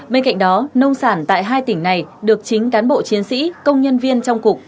bên cạnh đó nông sản tại hai tỉnh này được chính cán bộ chiến sĩ công nhân viên trong cục